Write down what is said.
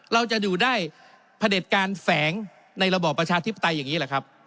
เราจะอยู่ได้พระเด็จการแฝงในระบอบประชาธิปไตยอย่างนี้แหละครับ